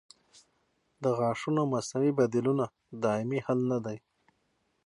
د غاښونو مصنوعي بدیلونه دایمي حل نه دی.